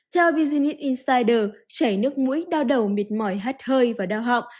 theo business insider chảy nước mũi đau đầu mệt mỏi hát hơi và đau họng